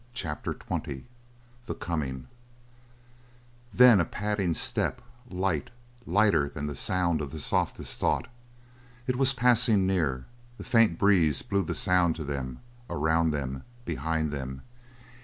CHAPTER XX THE COMING Then a padding step, light, lighter than the sound of the softest thought. It was passing near; the faint breeze blew the sound to them, around them, behind them.